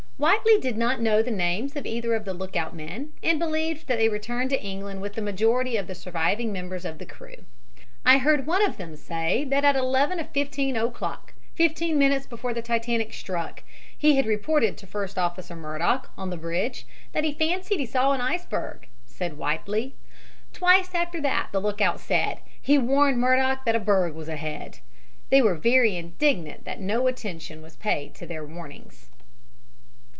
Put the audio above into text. Whiteley did not know the names of either of the lookout men and believed that they returned to England with the majority of the surviving members of the crew. {illust. caption = A GRAPHIC ILLUSTRATION OF THE FORCE WITH WHICH A VESSEL STRIKES AN ICEBERG} "I heard one of them say that at 11.15 o'clock, 15 minutes before the Titanic struck, he had reported to First Officer Murdock, on the bridge, that he fancied he saw an iceberg!" said Whiteley. "Twice after that, the lookout said, he warned Murdock that a berg was ahead. They were very indignant that no attention was paid to their warnings."